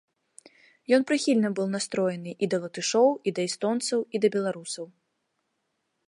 Ён прыхільна быў настроены і да латышоў, і да эстонцаў, і да беларусаў.